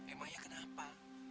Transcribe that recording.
emang ya kenapa